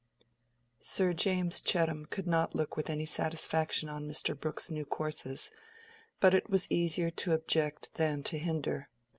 Sir James Chettam could not look with any satisfaction on Mr. Brooke's new courses; but it was easier to object than to hinder.